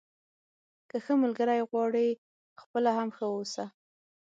که ښه ملګری غواړئ خپله هم ښه واوسه.